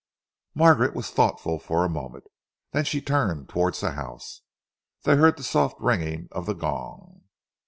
Margaret was thoughtful for a moment. Then she turned towards the house. They heard the soft ringing of the gong.